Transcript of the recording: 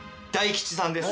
［大吉さん］